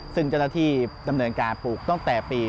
ซึ่งเจ้าหน้าที่ดำเนินการปลูกตั้งแต่ปี๒๕